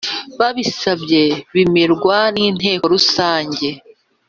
babisabwe bemerwa n’inteko rusange